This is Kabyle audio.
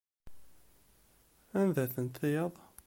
Anda-tent tiyaḍ?